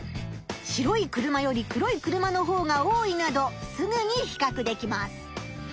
白い車より黒い車のほうが多いなどすぐにひかくできます。